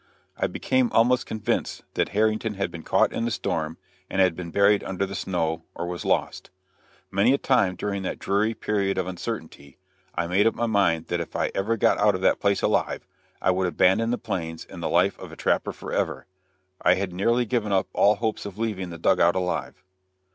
I became almost convinced that Harrington had been caught in the storm and had been buried under the snow, or was lost. Many a time during that dreary period of uncertainty, I made up my mind that if I ever got out of that place alive, I would abandon the plains and the life of a trapper forever. I had nearly given up all hopes of leaving the dug out alive.